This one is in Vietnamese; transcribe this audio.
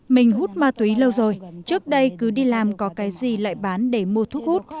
mình hút ma túy lâu rồi trước đây cứ đi làm có cái gì lại bán để mua thuốc hút